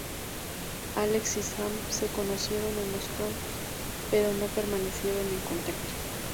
Alex y Sam se conocieron en los scouts, pero no permanecieron en contacto.